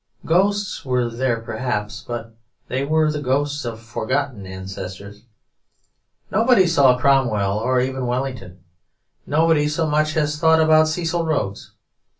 Ghosts were there perhaps, but they were the ghosts of forgotten ancestors. Nobody saw Cromwell or even Wellington; nobody so much as thought about Cecil Rhodes.